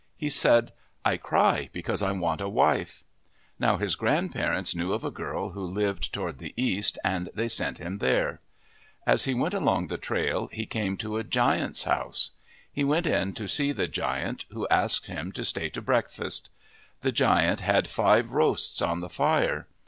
: He said, " I cry because I want a wife." Now his grand parents knew of a girl who lived toward the east and they sent him there. As he went along the trail, he came to a giant's house. He went in to see the giant, who asked him to stay to breakfast. The giant had five roasts on the fire.